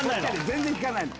全然聞かないの。